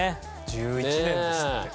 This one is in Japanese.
１１年ですって。